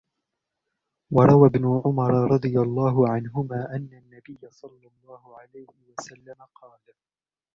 وَرَوَى ابْنُ عُمَرَ رَضِيَ اللَّهُ عَنْهُمَا أَنَّ النَّبِيَّ صَلَّى اللَّهُ عَلَيْهِ وَسَلَّمَ قَالَ